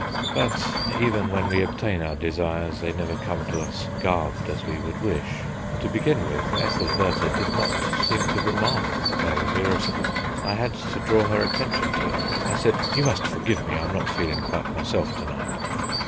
But even when we obtain our desires they never come to us garbed as we would wish. To begin with, Ethelbertha did not seem to remark that I was irritable; I had to draw her attention to it. I said: "You must forgive me, I'm not feeling quite myself to night."